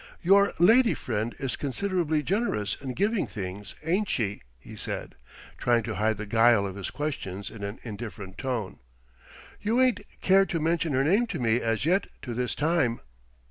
"Your lady friend is considerably generous in giving things, ain't she?" he said, trying to hide the guile of his questions in an indifferent tone. "You ain't cared to mention her name to me as yet to this time."